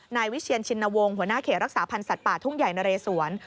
นายวิเชียนชินวงศ์หัวหน้าเขตรักษาพันธ์สัตว์ป่าทุ่งใหญ่นะเรสวน